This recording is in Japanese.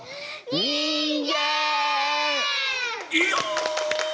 人間！